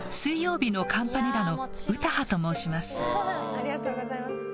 ありがとうございます。